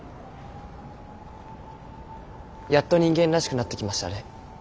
やっと人間らしくなってきましたね。